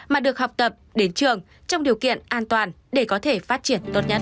mà được học tập đến trường trong điều kiện an toàn để có thể phát triển tốt nhất